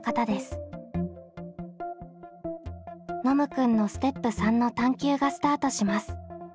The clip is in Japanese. ノムくんのステップ３の探究がスタートします。